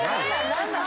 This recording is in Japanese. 何なん？